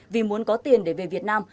vì muốn có tiền để về việt nam